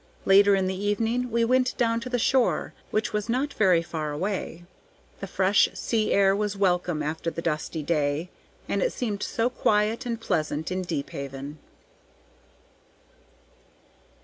Later in the evening we went down to the shore, which was not very far away; the fresh sea air was welcome after the dusty day, and it seemed so quiet and pleasant in Deephaven.